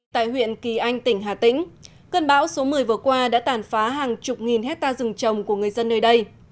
tại huyện kỳ anh tỉnh hà tĩnh cơn bão số một mươi vừa qua đã tàn phá hàng chục nghìn hectare rừng trồng của người dân nơi đây